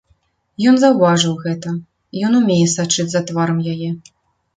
Ён заўважыў гэта, ён умее сачыць за тварам яе.